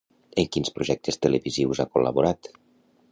En quins projectes televisius ha col·laborat?